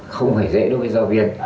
không phải dễ đối với giáo viên